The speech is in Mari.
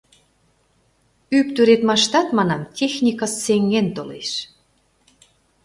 Ӱп тӱредмаштат, манам, техника сеҥен толеш.